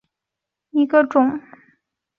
葱叶兰为兰科葱叶兰属下的一个种。